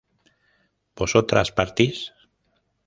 ¿vosotras partís?